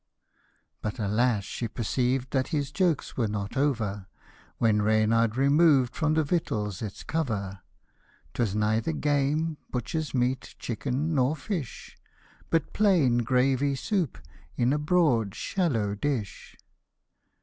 But alas ! she perceived that his jokes were not over, When Reynard removed from the victuals its cover ; 'Twas neither game, butcher's meat, chicken, nor fish ; But plain gravy soup, in a broad shallow dish.